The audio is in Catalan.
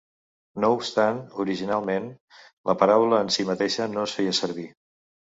No obstant, originalment la paraula en si mateixa no es feia servir.